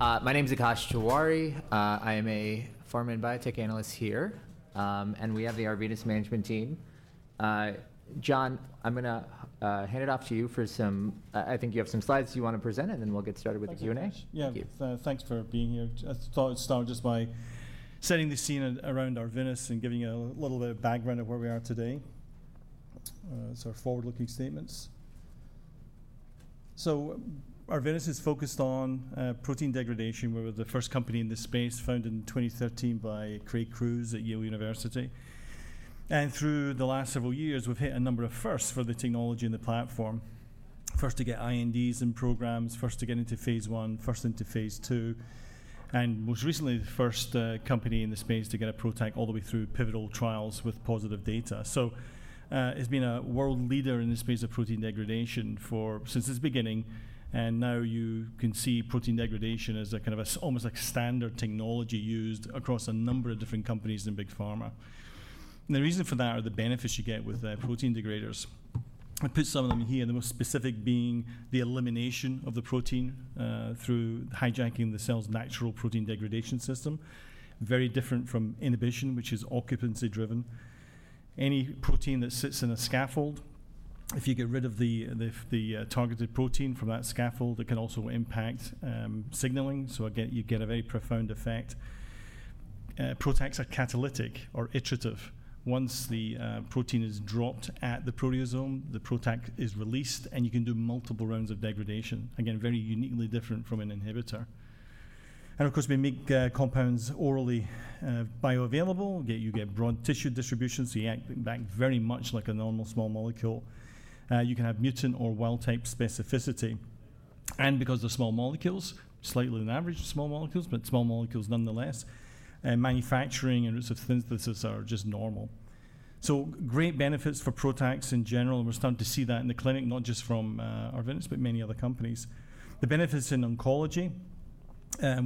My name is Akash Tiwari, I am a farm and biotech analyst here and we have the Arvinas management team. John, I'm gonna hand it off to you for some. I think you have some slides you want to present and then we'll get started with the Q&A. Yeah. Thanks for being here. I thought I'd start just by setting the scene around Arvinas and giving a little bit of background of where we are today. Forward looking statements. Arvinas is focused on protein degradation. We were the first company in this space, founded in 2013 by Craig Crews at Yale University. Through the last several years we've hit a number of firsts for the technology and the platform. First to get INDs and programs, first to get into phase I, first into phase II, and most recently the first company in the space to get a PROTAC all the way through pivotal trials with positive data. It's been a world leader in the space of protein degradation since its beginning. You can see protein degradation as a kind of almost like standard technology used across a number of different companies in big pharma. The reason for that are the benefits you get with protein degraders. I put some of them here, the most specific being the elimination of the protein through hijacking the cell's natural protein degradation system. Very different from inhibition which is occupancy driven. Any protein that sits in a scaffold, if you get rid of the targeted protein from that scaffold, it can also impact signaling. You get a very profound effect. PROTACs are catalytic or iterative. Once the protein is dropped at the proteasome, the PROTAC is released and you can do multiple rounds of degradation. Again very uniquely different from an inhibitor. Of course we make compounds orally bioavailable. You get broad tissue distribution so you act back very much like a normal small molecule. You can have mutant or wild type specificity and because the small molecules are slightly larger than average small molecules, but small molecules nonetheless, manufacturing and routes of synthesis are just normal. Great benefits for PROTACs in general. We're starting to see that in the clinic, not just from Arvinas, but many other companies. The benefits in oncology,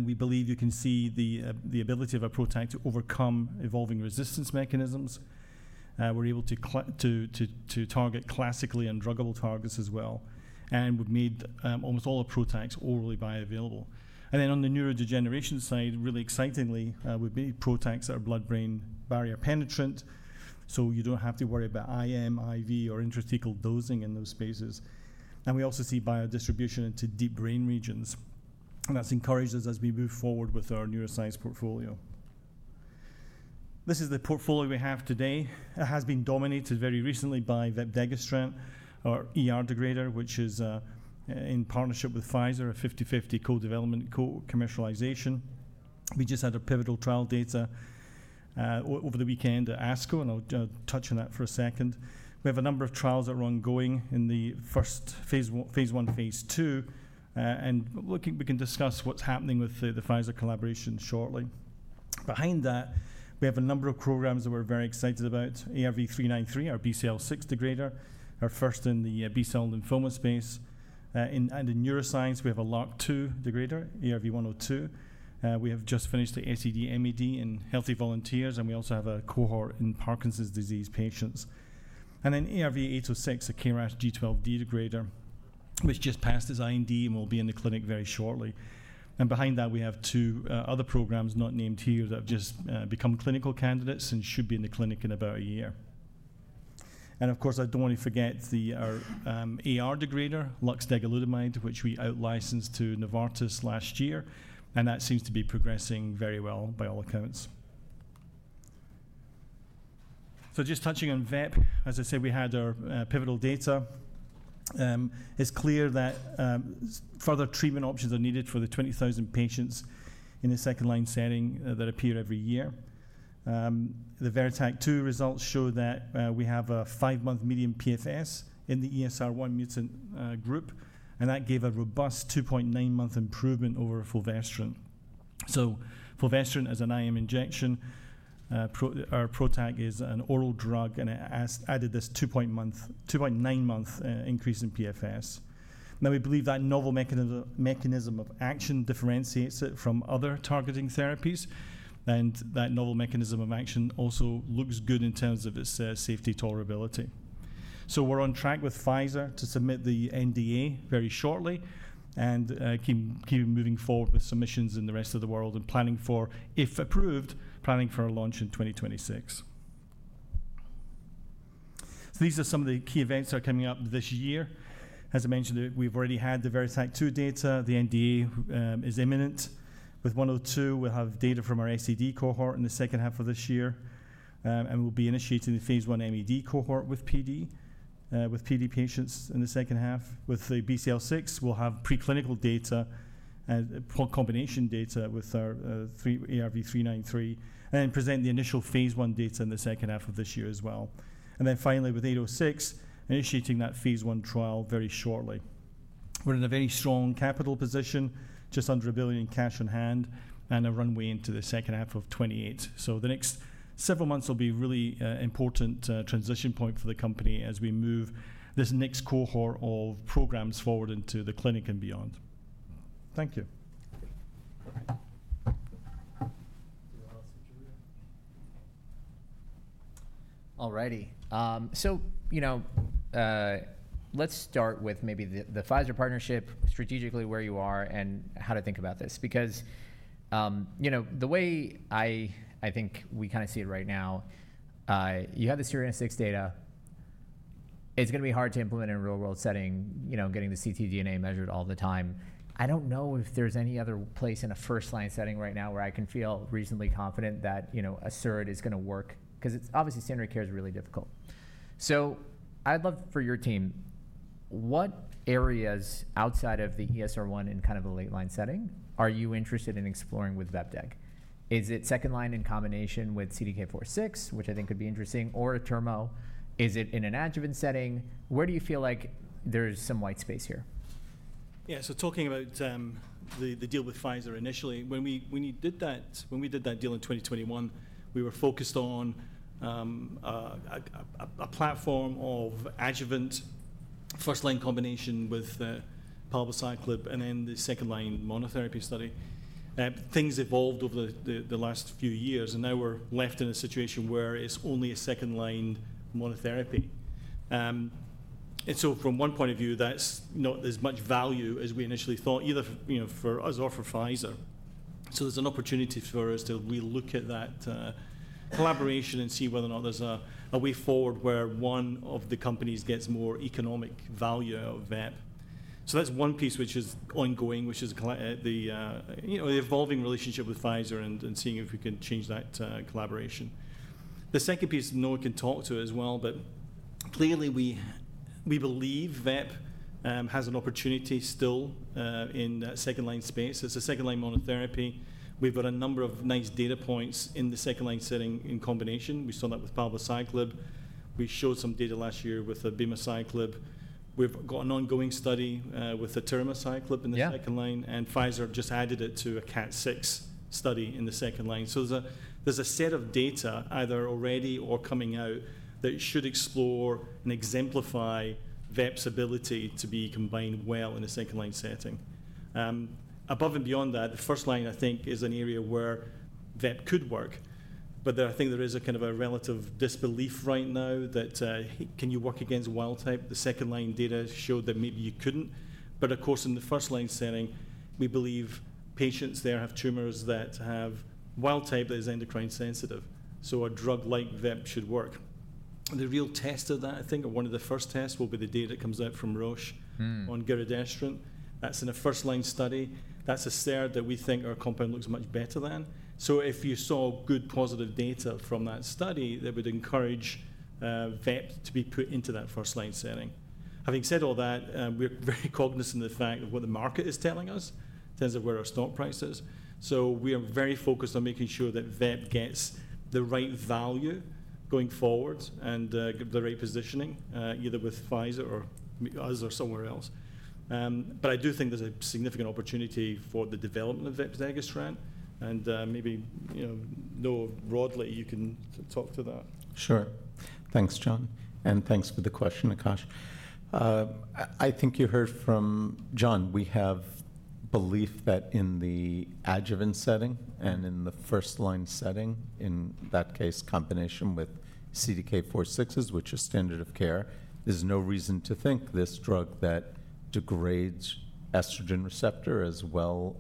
we believe you can see the ability of a PROTAC to overcome evolving resistance mechanisms. We're able to target classically undruggable targets as well. We've made almost all of PROTACs orally bioavailable. On the neurodegeneration side, really excitingly, we've made PROTACs that are blood brain barrier penetrant. You don't have to worry about IM, IV, or intrathecal dosing in those spaces. We also see biodistribution into deep brain regions and that's encouraged us as we move forward with our neuroscience portfolio. This is the portfolio we have today. It has been dominated very recently by vepdegestrant, our ER degrader, which is in partnership with Pfizer. A 50/50 co-development, co-commercialization. We just had our pivotal trial data over the weekend at ASCO and I'll touch on that for a second. We have a number of trials that are ongoing in the first phase I, phase II and we can discuss what's happening with the Pfizer collaboration shortly. Behind that we have a number of programs that we're very excited about. ARV-393, our BCL6 degrader, our first in the B-cell lymphoma space. In neuroscience we have a LRRK2 degrader, ARV-102, we have just finished the SAD/MAD in healthy volunteers and we also have a cohort in Parkinson's disease patients. ARV-806, a KRAS G12D degrader, just passed its IND and will be in the clinic very shortly. Behind that we have two other programs not named here that have just become clinical candidates and should be in the clinic in about a year. Of course, I do not want to forget the AR degrader luxdegolutamide, which we out-licensed to Novartis last year and that seems to be progressing very well by all accounts. Just touching on vep, as I said, we had our pivotal data. It is clear that further treatment options are needed for the 20,000 patients in a second line setting that appear every year. The VERITAC-2 results show that we have a five month median PFS in the ESR1 mutant group and that gave a robust 2.9 month improvement over fulvestrant. Fulvestrant is an IM injection, PROTAC is an oral drug and it added this 2.9 month increase in PFS. Now, we believe that novel mechanism of action differentiates it from other targeting therapies and that novel mechanism of action also looks good in terms of its safety tolerability. We're on track with Pfizer to submit the NDA very shortly and keep moving forward with submissions in the rest of the world and planning for, if approved, planning for a launch in 2026. These are some of the key events that are coming up this year, as I mentioned, we've already had the VERITAC-2 data. The NDA is imminent with 102. We'll have data from our SED cohort in the second half of this year. We'll be initiating the phase I MED cohort with PD, with PD patients in the second half. With the BCL6, we'll have preclinical combination data with our ARV-393 and present the initial phase I data in the second half of this year as well. Finally, with 806, initiating that phase I trial very shortly. We're in a very strong capital position, just under $1 billion cash on hand and a runway into second half of 2028. The next several months will be a really important transition point for the company as we move this next cohort of programs forward into the clinic and beyond. Thank you. Alrighty. So, you know, let's start with maybe the Pfizer partnership, strategically where you are and how to think about this because, you know, the way I think we kind of see it right now you have the serious data, it's going to be hard to implement in a real world setting. You know, getting the ctDNA measured all the time. I don't know if there's any other place in a first line setting right now where I can feel reasonably confident that, you know, a SERD is going to work because it's obviously standard care is really difficult. So I'd love for your team, what areas outside of the ESR1 in kind of a late line setting are you interested in exploring with vepdeg? Is it second line in combination with CDK4/6, which I think could be interesting, or atirmo? Is it in an adjuvant setting? Where do you feel like there is some white space here? Yeah. So talking about the deal with Pfizer initially, when we, when you did that, when we did that deal in 2021, we were focused on a platform of adjuvant first line combination with palbociclib and then the second line monotherapy study. Things evolved over the last few years and now we're left in a situation where it's only a second line monotherapy. From one point of view, that's not as much value as we initially thought, either for us or for Pfizer. There's an opportunity for us to look at that collaboration and see whether or not there's a way forward where one of the companies gets more economic value out of vep. That's one piece which is ongoing, which is the evolving relationship with Pfizer and seeing if we can change that collaboration. The second piece no one can talk to as well. Clearly we believe vep has an opportunity still in the second line space. It's a second line monotherapy. We've got a number of nice data points in the second line setting. In combination, we saw that with Palbociclib, we showed some data last year with abemaciclib. We've got an ongoing study with atirmociclib in the second line and Pfizer just added it to a CAT6 study in the second line. There is a set of data either already or coming out that should explore and exemplify vep's ability to be combined well in a second line setting. Above and beyond that, the first line I think is an area where vep could work. I think there is a kind of a relative disbelief right now that can you work against wild type? The second line data showed that maybe you couldn't. Of course, in the first line setting we believe patients there have tumors that have wild type that is endocrine sensitive. So a drug like vep should work. The real test of that, I think one of the first tests will be the data that comes out from Roche on giredestrant. That's in a first line study, that's a SERD that we think our compound looks much better than. If you saw good positive data from that study, that would encourage vep to be put into that first line setting. Having said all that, we're very cognizant of the fact of what the market is telling us in terms of where our stock price is. We are very focused on making sure that vep gets the right value going forward and the right positioning, either with Pfizer or us or somewhere else. I do think there's a significant opportunity for the development of vepdegestrant, and maybe, Noah, broadly, you can talk to that. Sure. Thanks, John. And thanks for the question, Akash. I think you heard from John. We have belief that in the adjuvant setting and in the first line setting, in that case combination with CDK4/6 is which is standard of care, there's no reason to think this drug that degrades estrogen receptor as well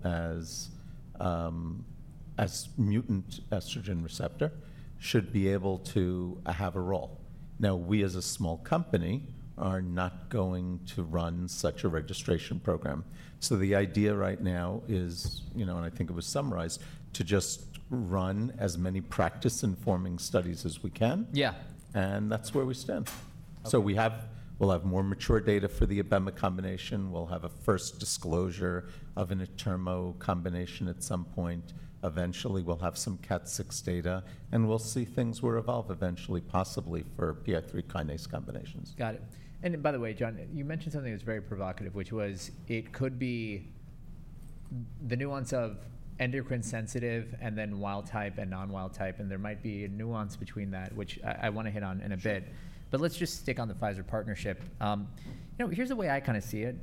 as mutant estrogen receptor should be able to have a role. Now, we as a small company are not going to run such a registration program. The idea right now is, you know, and I think it was summarized to just run as many practice informing studies as we can. Yeah, and that's where we stand. We have, we'll have more mature data for the ABEMA combination. We'll have a first disclosure of an atirmo combination at some point. Eventually we'll have some Cat 6 data and we'll see things were evolved eventually possibly for PI3-kinase combinations. Got it. By the way, John, you mentioned something that's very provocative, which was it could be the nuance of endocrine sensitive and then wild type and non wild type and there might be a nuance between that which I want to hit on in a bit. Let's just stick on the Pfizer partnership. You know, here's the way I kind of see it.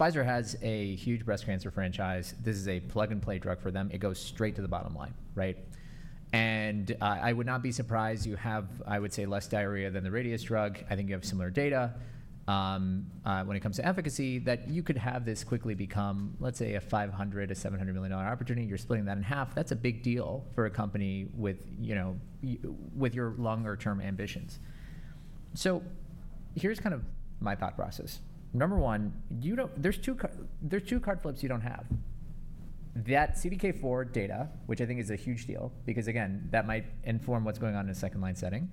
Pfizer has a huge breast cancer franchise. This is a plug and play drug for them. It goes straight to the bottom line. Right. I would not be surprised. You have, I would say, less diarrhea than the Radius drug. I think you have similar data when it comes to efficacy that you could have this quickly become, let's say, a $500 million, a $700 million opportunity. You're splitting that in half. That's a big deal for a company with, you know, with your longer term ambitions. Here's kind of my thought process. Number one, there's two card flips. You don't have that CDK4 data, which I think is a huge deal because again that might inform what's going on in a second line setting.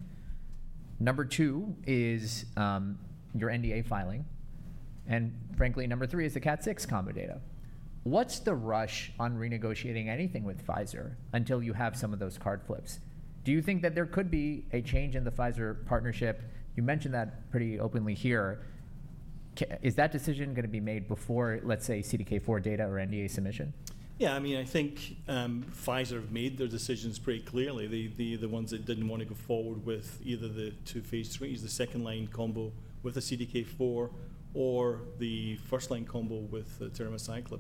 Number two is your NDA filing and frankly number three is the Cat 6 combo data. What's the rush on renegotiating anything with Pfizer until you have some of those card flags? Do you think that there could be a change in the Pfizer partnership? You mentioned that pretty openly here. Is that decision going to be made before let's say CDK4 data or NDA submission? Yeah, I mean I think Pfizer have made their decisions pretty clearly. The ones that didn't want to go forward with either the two. Phase III is the second line combo with the CDK4 or the first line combo with the atirmociclib.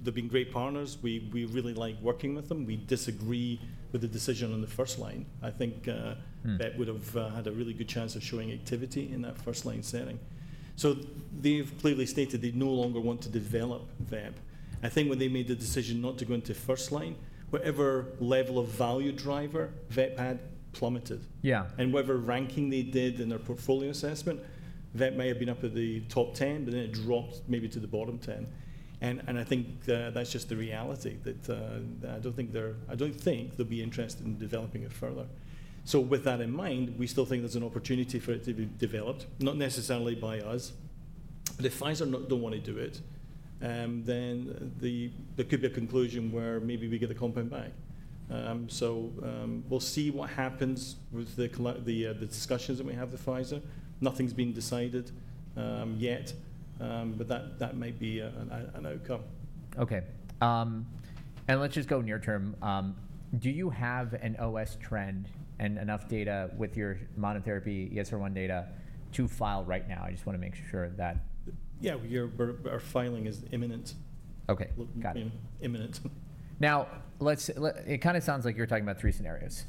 They've been great partners. We really like working with them. We disagree with the decision on the first line. I think vep would have had a really good chance of showing activity in that first line setting. They’ve clearly stated they no longer want to develop vep. I think when they made the decision not to go into first line, whatever level of value driver vep had plummeted. And whatever ranking they did in their portfolio assessment, that may have been up at the top 10, but then it drops maybe to the bottom 10. I think that's just the reality that I don't think they're. I don't think they'll be interested in developing it further. With that in mind, we still think there's an opportunity for it to be developed, not necessarily by us, but if Pfizer don't want to do it, then there could be a conclusion where maybe we get the compound back. We'll see what happens with the discussions that we have with Pfizer. Nothing's been decided yet, but that may be an outcome. Okay, and let's just go near term. Do you have an OS trend and enough data with your monotherapy ESR1 data to file right now? I just want to make sure that. Yeah, our filing is imminent. Okay, got it. Imminent. Now, it kind of sounds like you're talking about three scenarios.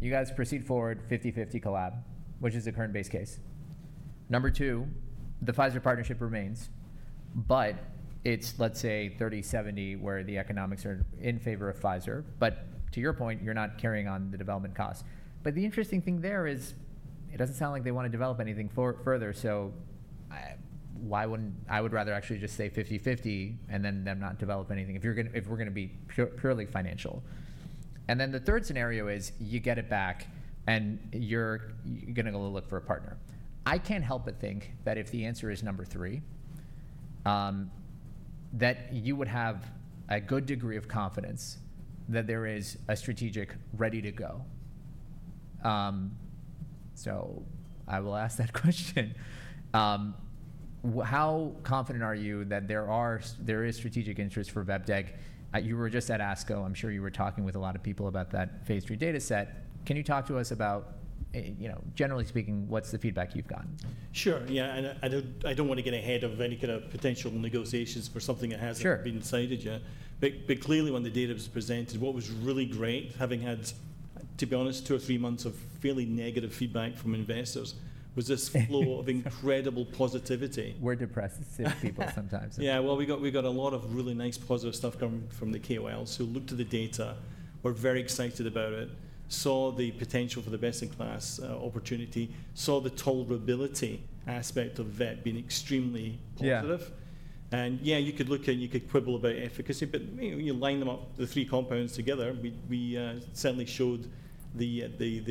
You guys proceed forward 50/50 collab, which is the current base. Case number two, the Pfizer partnership remains, but it's, let's say, 30-70, where the economics are in favor of Pfizer. To your point, you're not carrying on the development costs. The interesting thing there is it doesn't sound like they want to develop anything further. Why wouldn't I would rather actually just say 50/50, and then them not develop anything if we're going to be purely financial. The third scenario is you get it back and you're going to go look for a partner. I can't help but think that if the answer is number three, that you would have a good degree of confidence that there is a strategic ready to go. I will ask that question. How confident are you that there is strategic interest for vepdeg? You were just at ASCO. I'm sure you were talking with a lot of people about that phase III data set. Can you talk to us about, you know, generally speaking, what's the feedback you've gotten? Sure. Yeah. I do not want to get ahead of any kind of potential negotiations for something that has not been cited yet. Clearly, when the data was presented, what was really great, having had, to be honest, two or three months of fairly negative feedback from investors, was this flow of incredible positivity. We're depressed people sometimes. Yeah. We got a lot of really nice positive stuff coming from the KOLs who looked at the data, were very excited about it, saw the potential for the best-in-class opportunity, saw the tolerability aspect of that being extremely positive. Yeah, you could look and you could quibble about efficacy, but you line them up, the three compounds together, we certainly showed the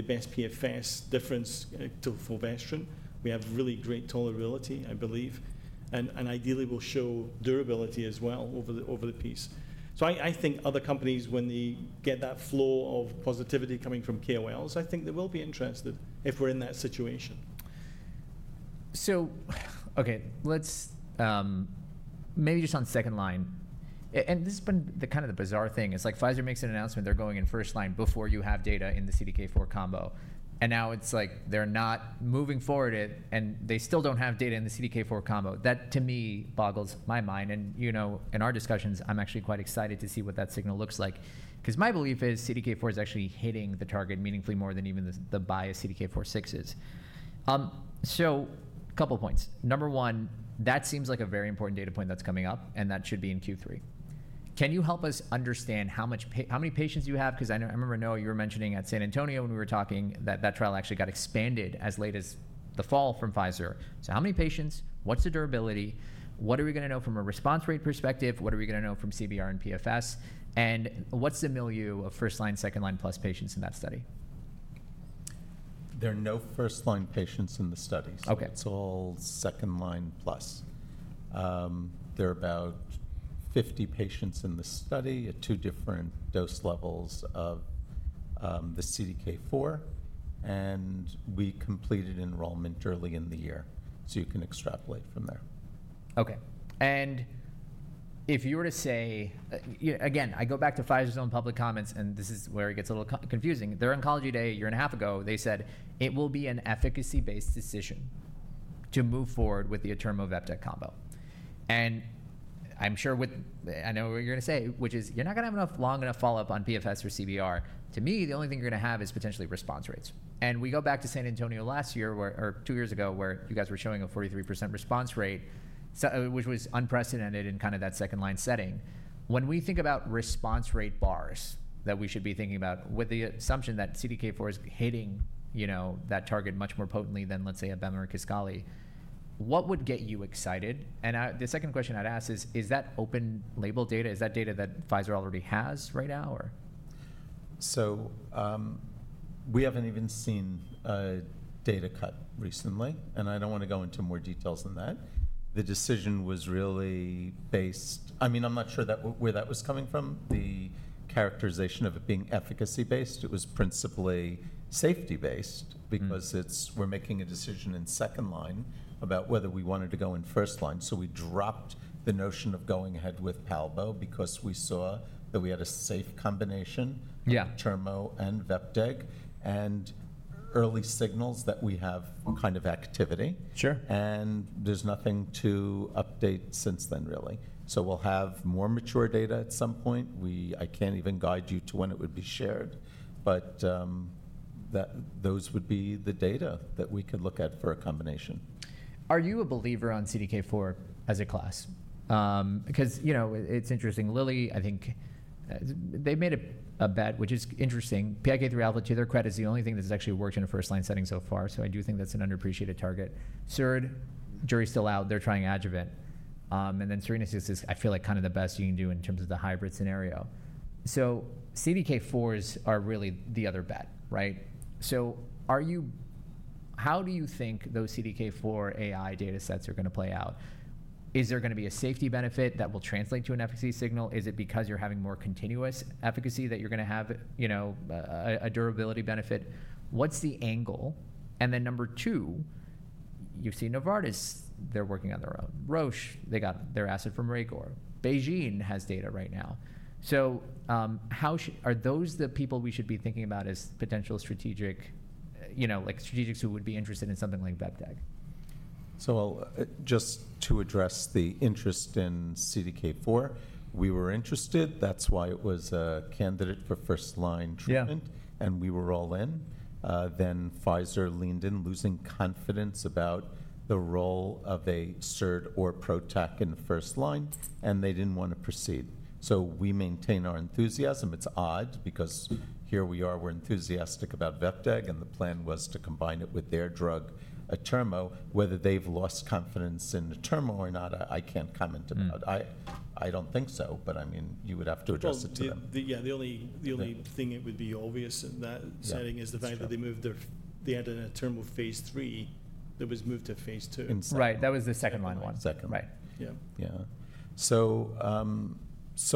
best PFS difference to fulvestrant. We have really great tolerability, I believe, and ideally will show durability as well over the piece. I think other companies, when they get that flow of positivity coming from KOLs, I think they will be interested if we're in that situation. Okay, let's maybe just on second line. This has been the kind of the bizarre thing. It's like Pfizer makes an announcement, they're going in first line before you have data in the CDK4 combo. Now it's like they're not moving forward it and they still don't have data in the CDK4 combo. That to me boggles my mind. In our discussions I'm actually quite excited to see what that signal looks like because my belief is CDK4 is actually hitting the target meaningfully more than even the bias. CDK4/6 is. Couple points. Number one, that seems like a very important data point that's coming up and that should be in Q3. Can you help us understand how many patients you have? Because I remember, Noah, you were mentioning at San Antonio when we were talking that that trial actually got expanded as late as the fall from Pfizer. So how many patients, what's the durability? What are we going to know from a response rate perspective? What are we going to know from CBR and PFS and what's the milieu of first line, second line plus patients in that study? There are no first line patients in the study. It's all second line plus. There are about 50 patients in the study at two different dose levels of the CDK4. We completed enrollment early in the year. You can extrapolate from there. Okay. If you were to say again, I go back to Pfizer's own public comments and this is where it gets a little confusing. Their oncology day a year and a half ago, they said it will be an efficacy based decision to move forward with the atirmo-vepdeg combo. I am sure with I know what you're going to say, which is you're not going to have enough long enough follow up on PFS or CBR. To me, the only thing you're going to have is potentially response rates. We go back to San Antonio last year or two years ago where you guys were showing a 43% response rate, which was unprecedented in kind of that second line setting. When we think about response rate bars that we should be thinking about with the assumption that CDK4 is hitting that target much more potently than let's say abem or Kisqali, what would get you excited? The second question I'd ask is, is that open label data? Is that data that Pfizer already has? Right now or so we haven't even seen data cut recently. I don't want to go into more details than that. The decision was really based. I mean, I'm not sure where that was coming from, the characterization of it being efficacy based, it was principally safety based because it's. We're making a decision in second line about whether we wanted to go in first line. We dropped the notion of going ahead with palbo because we saw that we had a safe combination, atirmo and vepdeg, and early signals that we have kind of activity. Sure. There is nothing to update since then really. We will have more mature data at some point. I cannot even guide you to when it would be shared, but those would be the data that we could look at for a combination. Are you a believer on CDK4 as a class? Because, you know, it's interesting, Lilly, I think they made a bet which is interesting. PIK3CA to their credit is the only thing that's actually worked in a first line setting so far. So I do think that's an underappreciated target. Third jury still out. They're trying adjuvant. And then Serena is, I feel like, kind of the best you can do in terms of the hybrid scenario. So CDK4s are really the other bet. Right. So are you, how do you think those CDK4 AI data sets are going to play out? Is there going to be a safety benefit that will translate to an efficacy signal? Is it because you're having more continuous efficacy that you're going to have a durability benefit? What's the angle then? Number two, you see Novartis, they're working on their own. Roche, they got their asset from Regor. Beijing has data right now. Are those the people we should be thinking about as potential strategics who would be interested in something like vepdeg? Just to address the interest in CDK4, we were interested. That's why it was a candidate for first line treatment. We were all in then. Pfizer leaned in, losing confidence about the role of a SERD or PROTAC in the first line, and they did not want to proceed. We maintain our enthusiasm. It's odd because here we are, we're enthusiastic about vepdeg, and the plan was to combine it with their drug atirmo. Whether they've lost confidence in atirmo or not, I can't comment about. I don't think so. But, I mean, you would have to address it. Yeah. The only thing it would be obvious in that setting is the fact that they moved their, they had an atirmo phase III that was moved to phase II. Right. That was the second line. One second. Right. Yeah. Yeah. So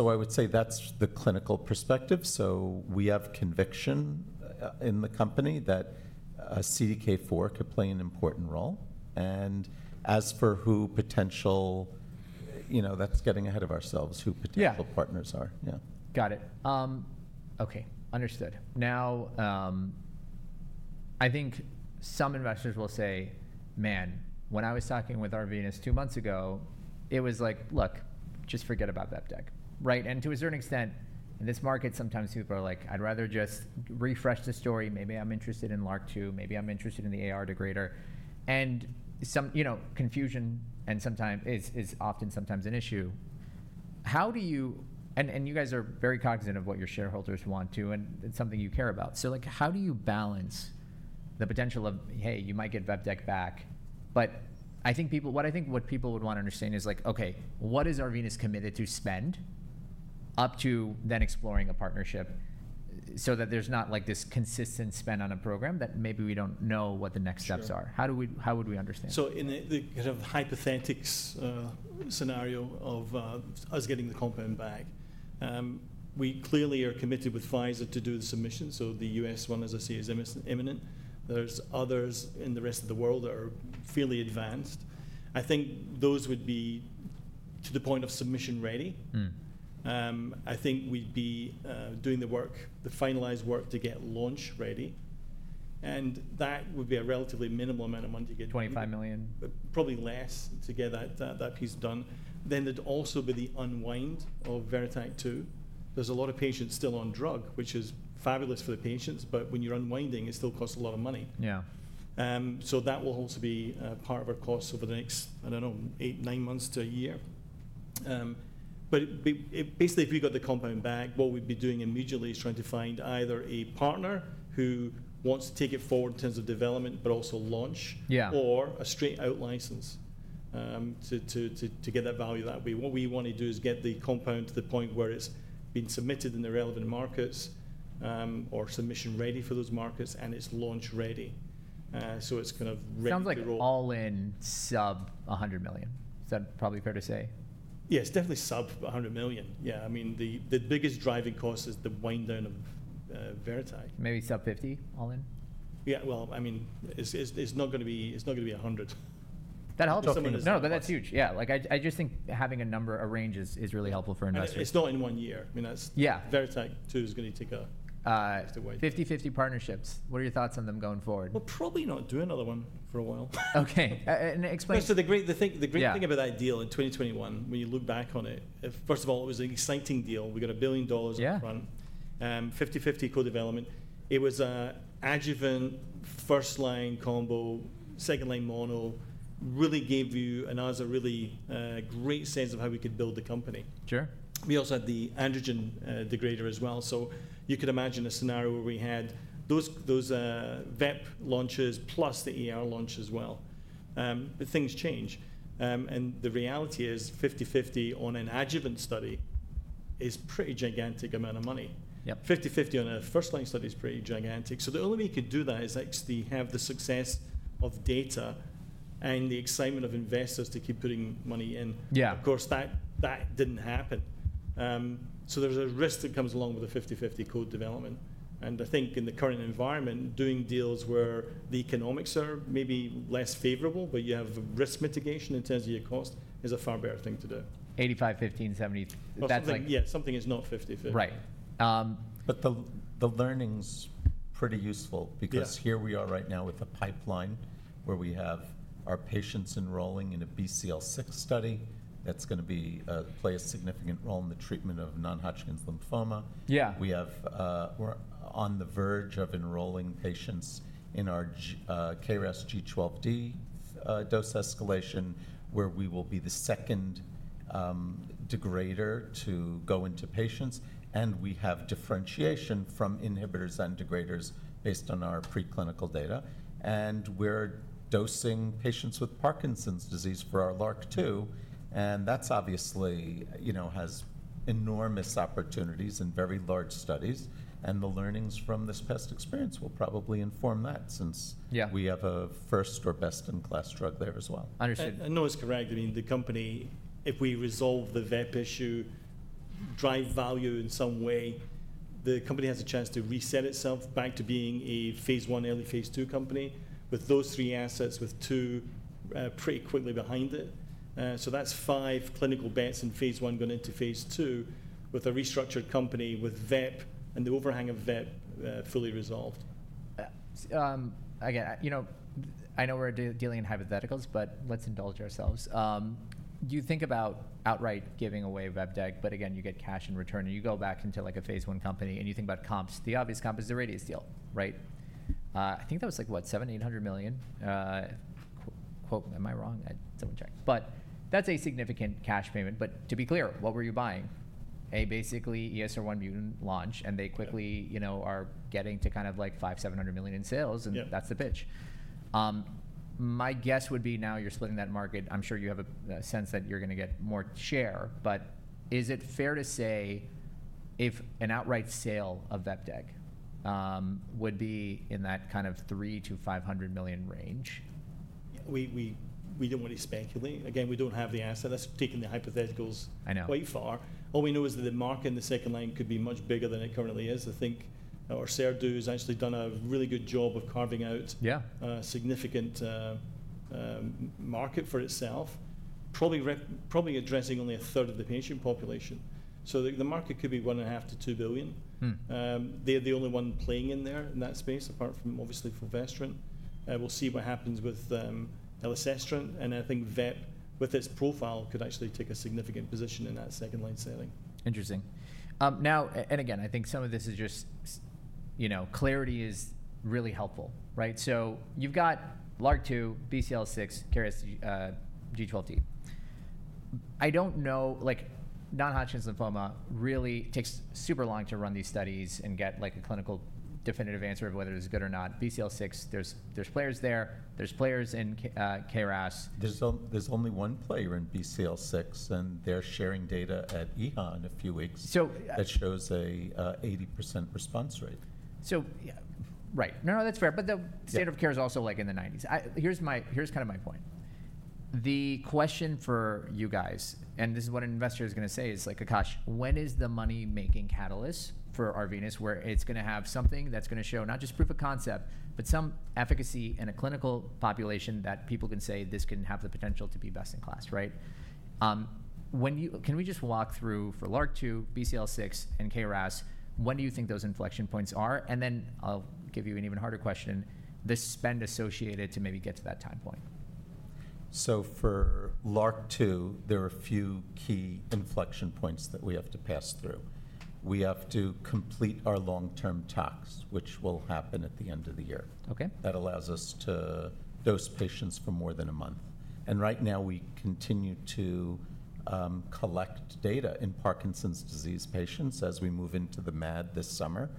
I would say that's the clinical perspective. We have conviction in the company that CDK4 could play an important role. As for who potential, you know, that's getting ahead of ourselves. Who potential partners are. Yeah, got it. Okay, understood. Now. I think some investors will say, man, when I was talking with Arvinas two months ago, it was like, look, just forget about vepdeg. Right? To a certain extent in this market, sometimes people are like, I'd rather just refresh the story. Maybe I'm interested in LRRK2. Maybe I'm interested in the AR degrader. Some, you know, confusion is often, sometimes an issue. How do you. You guys are very cognizant of what your shareholders want too. It's something you care about. Like, how do you balance the potential of, hey, you might get vepdeg back. I think people. What I think what people would want to understand is like, okay, what is Arvinas committed to spend up to then exploring a partnership so that there's not like this consistent spend on a program that maybe we don't know what the next steps are. How do we, how would we understand. In the kind of hypothetic scenario of us getting the compound back, we clearly are committed with Pfizer to do the submission. The U.S. one is, I see, is imminent. There are others in the rest of the world that are fairly advanced. I think those would be, to the point of submission, ready. I think we'd be doing the work, the finalized work to get launch ready. That would be a relatively minimal amount of money, $25 million, probably less, to get that piece done. There would also be the unwind of VERITAC-2. There are a lot of patients still on drug, which is fabulous for the patients, but when you're unwinding, it still costs a lot of money. That will also be part of our costs over the next, I don't know, eight, nine months to a year. If we got the compound back, what we'd be doing immediately is trying to find either a partner who wants to take it forward in terms of development but also launch or a straight out license to get that value that way. What we want to do is get the compound to the point where it's been submitted in the relevant markets or submission ready for those markets and it's launch ready. It kind of Sounds like all. In sub-$100 million. Is that probably fair to say? Yes, definitely sub-$100 million. Yeah. I mean the biggest driving cost is the wind down of VERITAC. Maybe sub-50 all in. Yeah, I mean it's not going to be 100. That helps someone. No, that's huge. Yeah. Like I just think having a number, a range is really helpful for investors. It's not in one year. I mean, that's. Yeah. VERITAC-2 is going to take a 50/50 partnerships. What are your thoughts on them going forward? We'll probably not do another one for a while. Okay. The great thing about that deal in 2021 when you look back on it, first of all, it was an exciting deal. We got $1 billion up front. 50/50 co-development. It was adjuvant first line combo, second line model. Really gave you and has a really great sense of how we could build the company. We also had the androgen degrader as well. You could imagine a scenario where we had those vep launches plus the ER launch as well. Things change and the reality is 50/50 on an adjuvant study is a pretty gigantic amount of money. 50/50 on a first line study is pretty gigantic. The only way you could do that is actually have the success of data and the excitement of investors to keep putting money in. Of course that did not happen. There's a risk that comes along with the 50/50 co-development. I think in the current environment, doing deals where the economics are maybe less favorable but you have risk mitigation in terms of your cost is a far better thing to do. 85/15/70 something. Yeah, something is not 50/50. Right. The learning's pretty useful because here we are right now with a pipeline where we have our patients enrolling in a BCL6 study that's going to play a significant role in the treatment of non-Hodgkin's lymphoma. Yeah, we have, we're on the verge of enrolling patients in our KRAS G12D dose escalation where we will be the second degrader to go into patients. We have differentiation from inhibitors and degraders based on our preclinical data. We're dosing patients with Parkinson's disease for our LRRK2. That obviously has enormous opportunities in very large studies. The learnings from this past experience will probably inform that since we have a first or best in class drug there as well. Understood. Noah's correct. I mean the company, if we resolve the vep issue, drive value in some way, the company has a chance to reset itself back to being a phase I, early phase II company with those three assets with two pretty quickly behind it. That is five clinical bets in phase I going into phase II with a restructured company with vep and the overhang of vep fully resolved. Again, I know we're dealing in hypotheticals, but let's indulge ourselves. You think about outright giving away vepdeg, but again you get cash in return and you go back into a phase I company and you think about comps. The obvious comp is the Radius deal. I think that was like, what, $700 million-$800 million, quote quote, am I wrong? That is a significant cash payment. To be clear, what were you buying? A basically ESR1 mutant launch and they quickly, you know, are getting to kind of like $500 million-$700 million in sales. That is the pitch. My guess would be now you're splitting that market. I'm sure you have a sense that you're going to get more share. Is it fair to say if an outright sale of that would be in that kind of $300 million-$500 million range? We don't want to speculate again, we don't have the asset that's taking the hypotheticals quite far. All we know is that the market in the second line could be much bigger than it currently is. I think Orserdu has actually done a really good job of carving out significant market for itself, probably addressing only a third of the patient population. So the market could be $1.5 billion-$2 billion. They're the only one playing in there in that space, apart from obviously fulvestrant. We'll see what happens with elacestrant and I think vep with its profile could actually take a significant position in that second line sailing. interesting now and again. I think some of this is just, you know, clarity is really helpful. Right, so you've got LRRK2, BCL6, KRAS G12D. I don't know, like non-Hodgkin's lymphoma really takes super long to run these studies and get like a clinical definitive answer of whether it's good or not. BCL6, there's players there, there's players in KRAS, There's only one player in BCL6 and they're sharing data at EHA in a few weeks that shows a 80% response rate. Yeah, right. No, that's fair. The standard of care is also like in the 1990s. Here's my, here's kind of my point. The question for you guys, and this is what an investor is going to say, is like, Akash, when is the money-making catalyst for Arvinas where it's going to have something that's going to show not just proof of concept but some efficacy in a clinical population that people can say this can have the potential to be best in class. Right. When you, can we just walk through for LRRK2, BCL6, and KRAS. When do you think those inflection points are? And then, I'll give you an even harder question, the spend associated to maybe get to that time point. For LRRK2 there are a few key inflection points that we have to pass through. We have to complete our long term tasks which will happen at the end of the year. Okay. That allows us to dose patients for more than a month and right now we continue to collect data in Parkinson's disease patients as we move into the MAD this summer,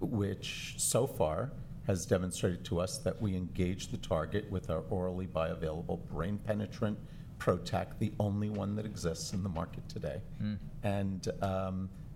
which so far has demonstrated to us that we engage the target with our orally bioavailable brain penetrant PROTAC, the only one that exists in the market today and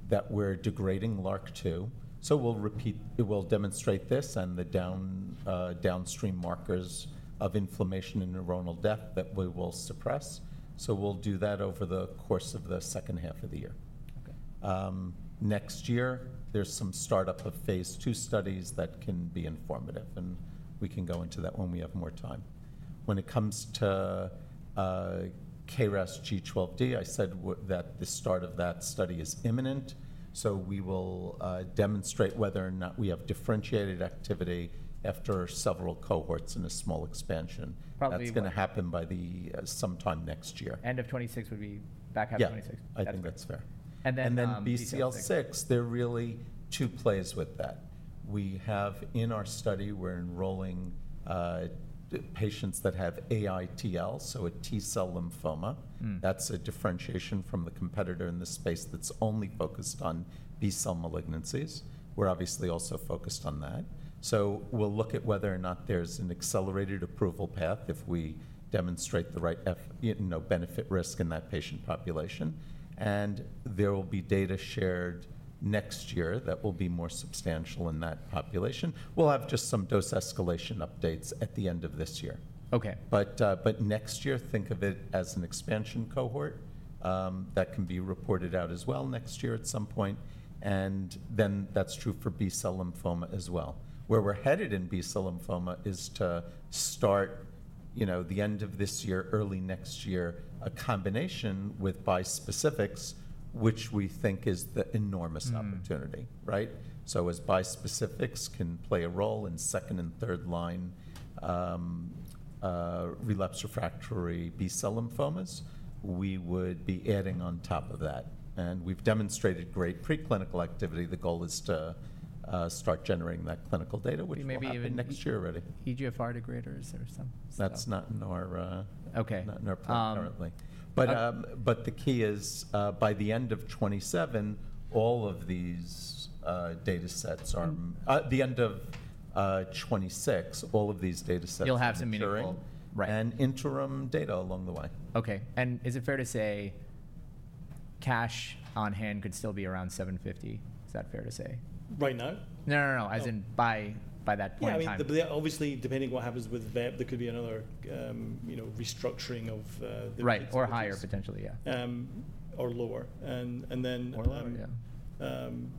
that we're degrading LRRK2. We will repeat, we will demonstrate this and the downstream markers of inflammation and neuronal death that we will suppress. We will do that over the course of the second half of the year. Next year there's some startup of phase II studies that can be informative and we can go into that when we have more time. When it comes to KRAS G12D, I said that the start of that study is imminent. We will demonstrate whether or not we have differentiated activity after several cohorts in a small expansion that's going to happen by the sometime next year. End of 2026 would be back after 2026. I think that's fair. BCL6, there are really two plays with that. We have in our study, we're enrolling patients that have AITL, so a T-cell lymphoma. That's a differentiation from the competitor in the space that's only focused on B-cell malignancies. We're obviously also focused on that. We'll look at whether or not there's an accelerated approval path. If we demonstrate the right benefit risk in that patient population, and there will be data shared next year that will be more substantial in that population. We'll have just some dose escalation updates at the end of this year. Next year, think of it as an expansion cohort that can be reported out as well next year at some point, and that's true for B cell lymphoma as well. Where we're headed in B-cell lymphoma is to start, you know, the end of this year, early next year, a combination with bispecifics, which we think is the enormous opportunity. Right. As bispecifics can play a role in second and third line relapsed refractory B-cell lymphomas, we would be adding on top of that, and we've demonstrated great preclinical activity. The goal is to start generating that clinical data, which may be next year. Already EGFR degraders or something. That's not in our. Okay, Not in our plan currently. The key is by the end of 2027, all of these data sets are moving. At the end of 2026, all of these data sets, you'll have some meaningful and interim data along the way. Okay, and is it fair to say cash on hand could still be around $750 million? Is that fair to say Right now? No, no. As in by that point, obviously. Depending what happens with vep, there could be another restructuring of. Right. Or higher, potentially Or lower.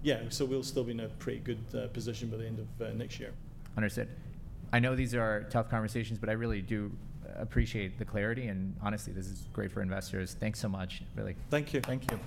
Yeah. We'll still be in a pretty good position by the end of next year. Understood. I know these are tough conversations, but I really do appreciate the clarity and honestly, this is great for investors. Thanks so much. Really. Thank you. Thank you.